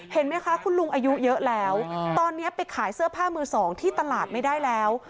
เห็นไหมคะคุณลุงอายุเยอะแล้วตอนนี้ไปขายเสื้อผ้ามือสองที่ตลาดไม่ได้แล้ว